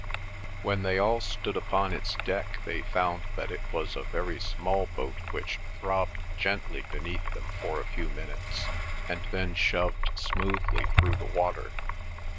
When they all stood upon its deck they found that it was a very small boat which throbbed gently beneath them for a few minutes, and then shoved smoothly through the water.